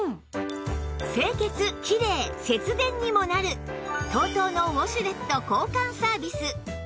清潔きれい節電にもなる ＴＯＴＯ のウォシュレット交換サービス